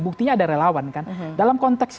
buktinya ada relawan kan dalam konteks